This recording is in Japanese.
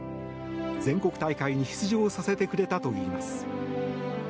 全国大会に出場させてくれたといいます。